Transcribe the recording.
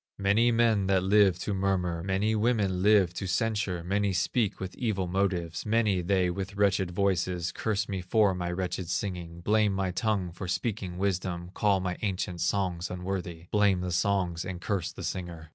Many men that live to murmur, Many women live to censure, Many speak with evil motives; Many they with wretched voices Curse me for my wretched singing, Blame my tongue for speaking wisdom, Call my ancient songs unworthy, Blame the songs and curse the singer.